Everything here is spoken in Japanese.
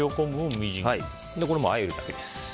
これをあえるだけです。